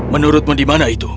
menurutmu di mana itu